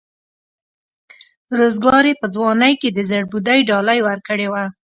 روزګار یې په ځوانۍ کې د زړبودۍ ډالۍ ورکړې وه.